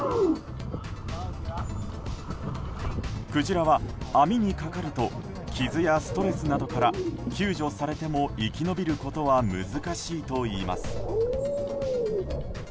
クジラは網にかかると傷やストレスなどから救助されても、生き延びることは難しいといいます。